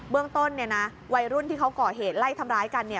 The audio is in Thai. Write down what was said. เรื่องต้นวัยรุ่นที่เขาก่อเหตุไล่ทำร้ายกัน